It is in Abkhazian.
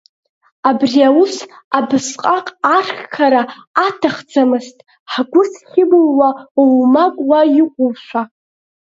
Абри аус абасҟак арххара аҭахӡамызт ҳгәы зхьыблуа оумак уа иҟоушәа…